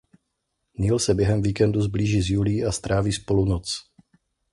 Neil se během víkendu sblíží s Julií a stráví spolu noc.